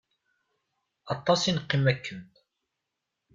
Aṭas i neqqim akken.